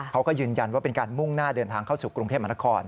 เขาก็ยืนยันว่าเป็นการมุ่งหน้าเดินทางเข้าสู่กรุงเทพมหานคร